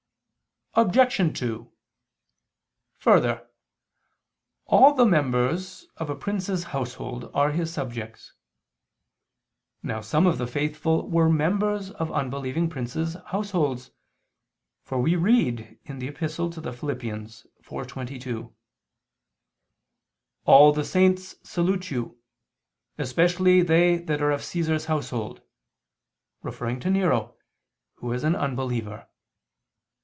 Obj. 2: Further, all the members of a prince's household are his subjects. Now some of the faithful were members of unbelieving princes' households, for we read in the Epistle to the Philippians (4:22): "All the saints salute you, especially they that are of Caesar's household," referring to Nero, who was an unbeliever.